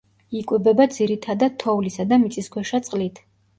იკვებება ძირითადად თოვლისა და მიწისქვეშა წყლით.